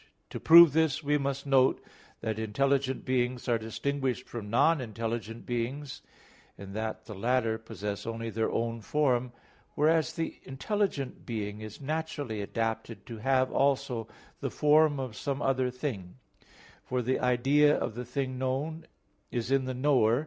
To prove this, we must note that intelligent beings are distinguished from non intelligent beings in that the latter possess only their own form; whereas the intelligent being is naturally adapted to have also the form of some other thing; for the idea of the thing known is in the knower.